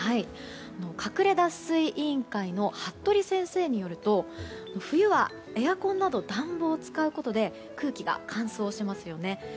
「かくれ脱水」委員会の服部先生によると冬はエアコンなど暖房を使うことで空気が乾燥しますよね。